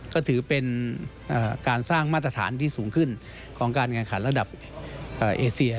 ก็ถือเป็นการสร้างมาตรฐานที่สูงขึ้นของการแข่งขันระดับเอเซีย